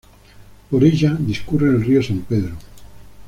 Por ella discurre el río San Pedro.